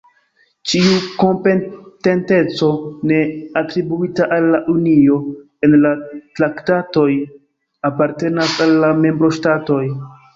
Ĉiu kompetenteco ne atribuita al la Unio en la Traktatoj apartenas al la membroŝtatoj.